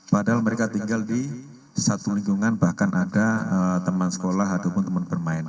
padahal mereka tinggal di satu lingkungan bahkan ada teman sekolah ataupun teman bermain